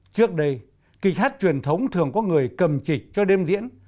trước đây kịch hát truyền thống thường có người cầm trịch cho đêm diễn